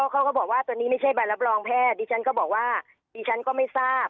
เขาก็บอกว่าตัวนี้ไม่ใช่ใบรับรองแพทย์ดิฉันก็บอกว่าดิฉันก็ไม่ทราบ